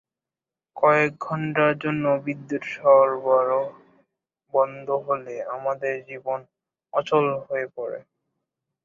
কয়েক ঘণ্টার জন্য বিদ্যুত সরবরাহ বন্ধ হলে আমাদের জীবন অচল হয়ে পড়ে।